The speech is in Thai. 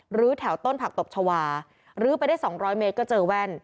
หรือแถวต้นผักตบชาวาลื้อไปได้๒๐๐เมตรก็เจอแว่น